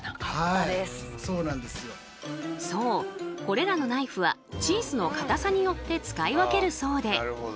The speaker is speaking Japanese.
そうこれらのナイフはチーズの硬さによって使い分けるそうで。